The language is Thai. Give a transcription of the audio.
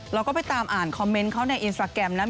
เราก็ไปตามอ่านคอมเมนต์เขาในอินสตราแกรมนะ